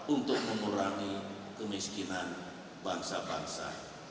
untuk mengurangi kemiskinan bangsa bangsa